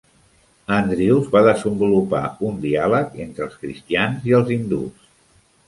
Andrews va desenvolupar un diàleg entre els cristians i el hindus.